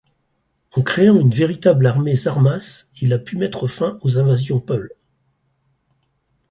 En créant une véritable armée Zarmas, Il a pu mettre fin aux invasions Peuls.